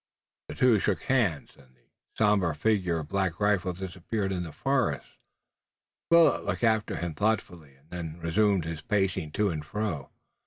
The two shook hands, and the somber figure of Black Rifle disappeared in the forest. Willet looked after him thoughtfully, and then resumed his pacing to and fro.